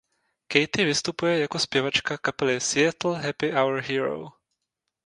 Katy vystupuje jako zpěvačka kapely Seattle Happy Hour Hero.